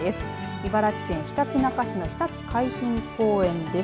茨城県ひたちなか市のひたち海浜公園です。